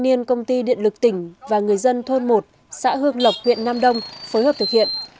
liên công ty điện lực tỉnh và người dân thôn một xã hương lộc huyện nam đông phối hợp thực hiện